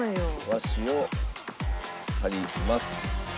和紙を貼ります。